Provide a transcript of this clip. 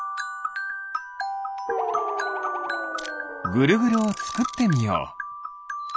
ぐるぐるをつくってみよう！